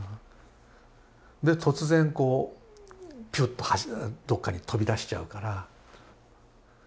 で突然こうピュッとどっかに飛び出しちゃうから。